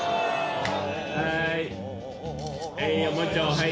はい。